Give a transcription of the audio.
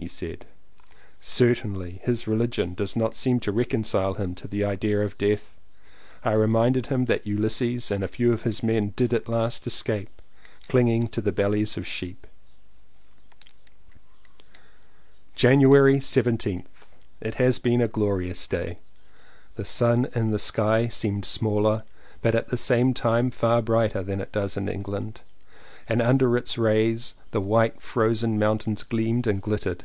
he said. Certainly his religion does not seem to reconcile him to the idea of 230 LLEWELLYN POWYS death. I reminded him that Ulysses and a few of his men did at last escape clinging to the bellies of the sheep. January 17th. It has been a glorious day. The sun in the sky seemed smaller, but at the same time far brighter than it does in England, and under its rays the white frozen mountains gleamed and glittered.